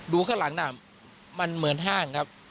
ข้างหลังน่ะมันเหมือนห้างครับ